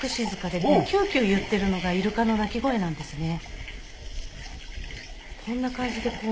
キューキュー言っているのがイルカの鳴き声なんですね。